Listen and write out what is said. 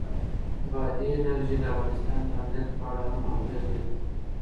بادي انرژي د افغانستان د امنیت په اړه هم اغېز لري.